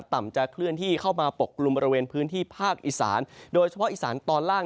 จะเคลื่อนที่เข้ามาปกกลุ่มบริเวณพื้นที่ภาคอีสานโดยเฉพาะอีสานตอนล่าง